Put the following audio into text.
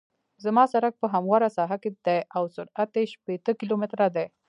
زما سرک په همواره ساحه کې دی او سرعت یې شپیته کیلومتره دی